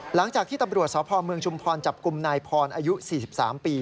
หลังจากที่ตำรวจสพเมืองชุมพรจับกลุ่มนายพรอายุ๔๓ปี